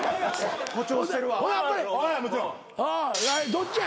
どっちや？